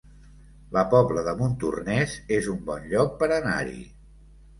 La Pobla de Montornès es un bon lloc per anar-hi